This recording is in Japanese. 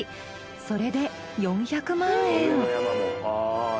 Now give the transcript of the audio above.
それで４００万円。